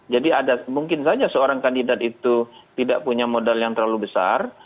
jadi ada mungkin saja seorang kandidat itu tidak punya modal yang terlalu besar